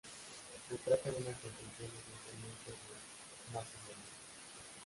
Se trata de una construcción esencialmente de masonería.